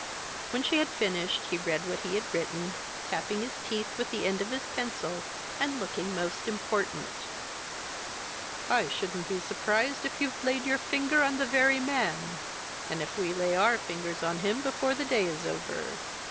When she had finished he read what he had written, tapping his teeth with the end of his pencil and looking most important. "I shouldn't be surprised if you've laid your finger on the very man and if we lay our fingers on him before the day is over.